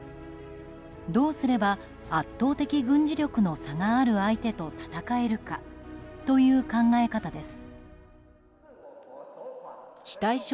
どうすれば圧倒的軍事力の差がある相手と戦えるかという考え方です。